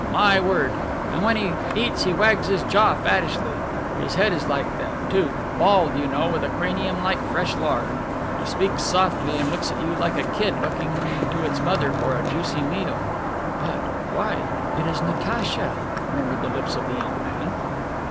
My word! And when he eats he wags his jaw fattishly. His head is like that, too; bald, you know, with a cranium like fresh lard. He speaks softly and looks at you like a kid looking to its mother for a juicy meal." "But why it is Natacha!" murmured the lips of the young man.